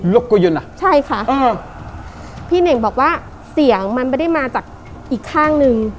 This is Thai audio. กก็เย็นอ่ะใช่ค่ะอ่าพี่เน่งบอกว่าเสียงมันไม่ได้มาจากอีกข้างหนึ่ง